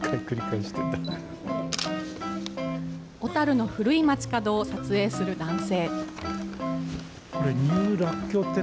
小樽の古い街角を撮影する男性。